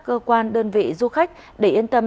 kế hoạch philippino kế hoạch việt nam